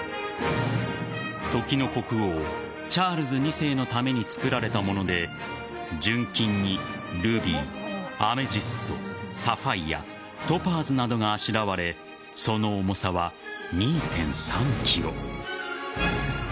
時の国王チャールズ２世のために作られたもので純金にルビー、アメジストサファイアトパーズなどがあしらわれその重さは２．３ｋｇ。